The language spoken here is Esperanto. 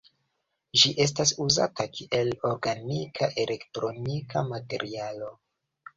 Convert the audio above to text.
Ĝi estas uzata kiel organika elektronika materialo.